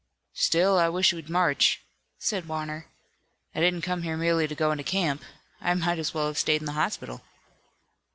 "Still, I wish we'd march," said Warner. "I didn't come here merely to go into camp. I might as well have stayed in the hospital."